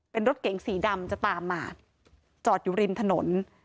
เป็นรถเก๋งสีดำจะตามมาจอดอยู่ริมถนน